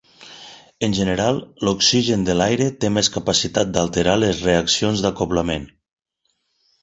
En general, l'oxigen de l'aire té més capacitat d'alterar les reaccions d'acoblament.